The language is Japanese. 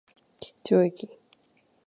桔梗駅